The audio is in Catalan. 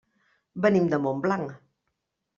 Venim de Montblanc.